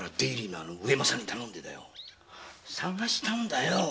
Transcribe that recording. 捜したんだよ！